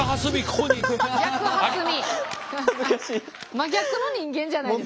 真逆の人間じゃないですか。